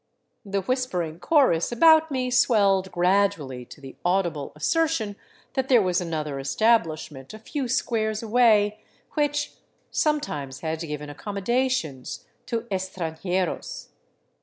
The whispering chorus about me swelled gradually to the audible assertion that there was another establishment a few squares away which " sometimes had given accomo dations to estranjeros."